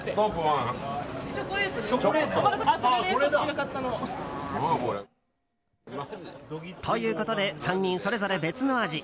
チョコレートです。ということで３人それぞれ別の味